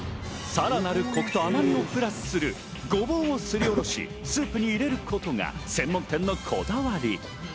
さらなるコクと甘みをプラスするごぼうをすりおろし、スープに入れることが専門店のこだわり。